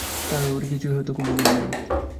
টাকাকড়ি কিছুই হয়তো কুমুদের নাই।